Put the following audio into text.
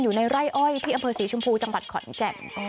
อยู่ในไร่อ้อยที่อำเภอศรีชมพูจังหวัดขอนแก่น